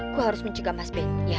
gue harus mencegah mas b